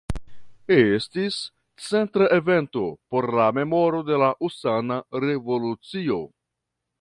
Estis centra evento por la memoro de la Usona Revolucio.